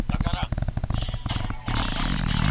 دا ډول هره خبره ډېرې بدې پایلې لري.